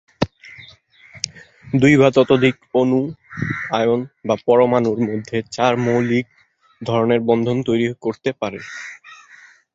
দুই বা ততোধিক অণু, আয়ন বা পরমাণুর মধ্যে চার মৌলিক ধরণের বন্ধন তৈরি করতে পারে।